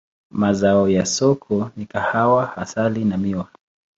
Mazao ya soko ni kahawa, asali na miwa.